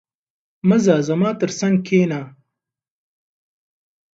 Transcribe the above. مه ځه، زما تر څنګ کښېنه.